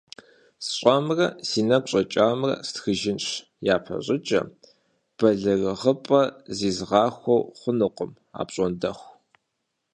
СщӀэмрэ си нэгу щӀэкӀамрэ стхыжынщ япэщӀыкӀэ – бэлэрыгъыпӀэ зизгъахуэ хъунукъым апщӀондэху…